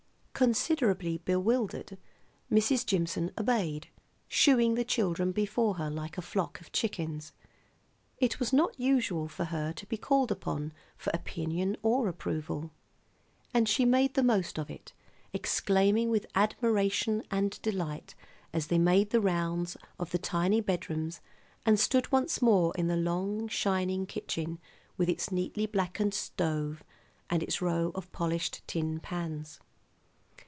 Considerably bewildered, Mrs. Jimson obeyed, shooing the children before her like a flock of chickens. It was not usual for her to be called upon for opinion or approval; and she made the most of it, exclaiming with admiration and delight as they made the rounds of the tiny bedrooms, and stood once more in the long, shining kitchen with its neatly blackened stove and its row of polished tin pans.